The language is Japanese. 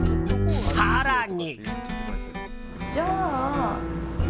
更に。